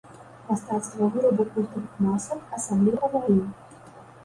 Мастацтва вырабу культавых масак, асабліва пахавальных.